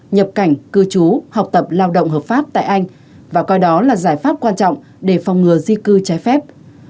nhập cảnh cư trú học tập lao động hợp pháp tại anh và coi đó là giải pháp quan trọng để phòng ngừa di cư trái phép